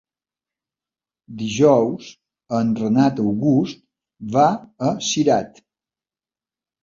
Dijous en Renat August va a Cirat.